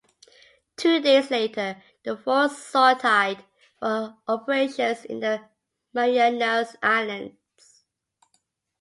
Two days later the force sortied for operations in the Marianas Islands.